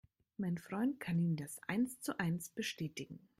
Mein Freund kann Ihnen das eins zu eins bestätigen.